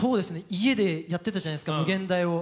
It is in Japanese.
家でやってたじゃないですか「無限大」を。